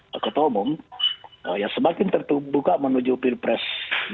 yang terumum yang semakin terbuka menuju pilpres dua ribu dua puluh empat